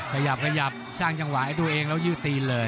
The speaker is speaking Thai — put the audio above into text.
ขยับขยับสร้างจังหวะให้ตัวเองแล้วยืดตีนเลย